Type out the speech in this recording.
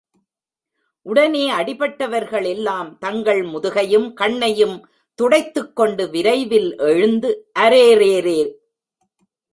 உடனே அடிபட்டவர்களெல்லாம் தங்கள் முதுகையும், கண்ணையும் துடைத்துக்கொண்டு, விரைவில் எழுந்து, அரேரேரே!